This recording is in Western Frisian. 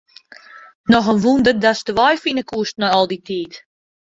Noch in wûnder datst de wei fine koest nei al dy tiid.